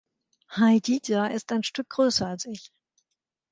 Hajrija ist ein Stück größer als ich.